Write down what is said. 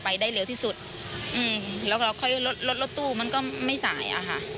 ไปได้เร็วที่สุดอืมแล้วก็ค่อยรถรถตู้มันก็ไม่สายอะค่ะ